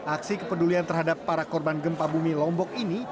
aksi kepedulian terhadap para korban gempa bumi lombok ini